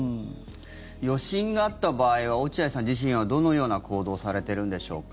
余震があった場合は落合さん自身はどのような行動をされてるんでしょうか？